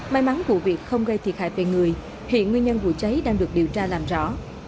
may mắn vụ việc không gây thiệt hại về người hiện nguyên nhân vụ cháy đang được điều tra làm rõ